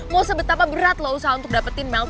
mau seberapa berat lo untuk dapetin mel